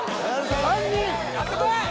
３人やってこい！